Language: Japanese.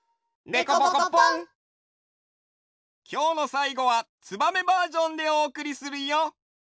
きょうのさいごは「ツバメ」バージョンでおおくりするよ！